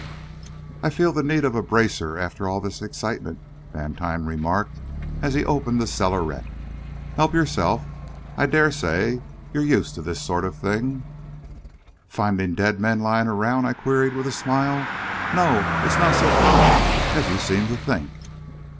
"I feel the need of a bracer after all this excitement," Vantine remarked, as he opened the cellarette. "Help yourself. I dare say you're used to this sort of thing " "Finding dead men lying around?" I queried, with a smile. "No it's not so common as you seem to think."